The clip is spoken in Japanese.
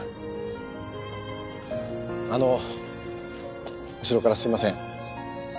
あの後ろからすいません。